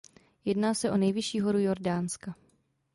Jedná se o nejvyšší horu Jordánska.